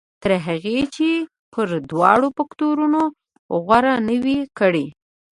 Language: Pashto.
تر هغې چې پر دواړو فکټورنو غور نه وي کړی.